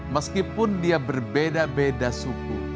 meskipun dia berbeda beda suku